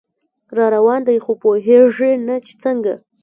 راروان دی خو پوهیږي نه چې څنګه